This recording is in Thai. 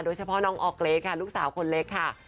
โดยเฉพาะน้องออกเกรสค่ะลูกสาวคนเล็กค่ะ